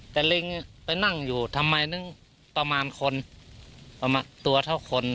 แต่ลิงไปนั่งอยู่ทำไมนึงประมาณคนประมาณตัวเท่าคน